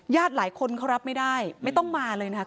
หลายคนเขารับไม่ได้ไม่ต้องมาเลยนะครับ